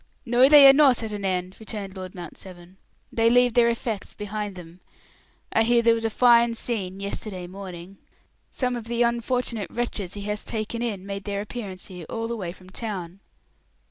"No, they are not at an end," returned Lord Mount Severn; "they leave their effects behind them. I hear there was a fine scene yesterday morning; some of the unfortunate wretches he has taken in made their appearance here, all the way from town."